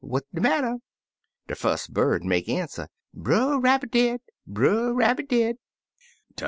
What de matter?' De fust bird make answer, ' Brer Rabbit dead ! Brer Rabbit dead!'